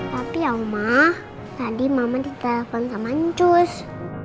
tapi ya oma tadi mama ditelepon sama njus